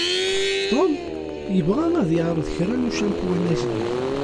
Tom yebɣa ad yeεreḍ kra n ucampwan ajdid.